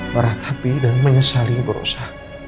marah tapi dan menyesali burosa